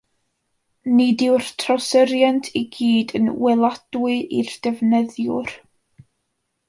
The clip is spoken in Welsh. Nid yw'r trawsyriant i gyd yn weladwy i'r defnyddiwr.